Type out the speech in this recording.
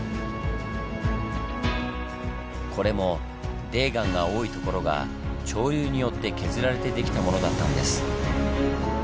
これも泥岩が多いところが潮流によって削られてできたものだったんです。